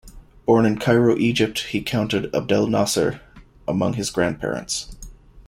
Born in Cairo, Egypt, he counted Abdel Nasser among his grandparents.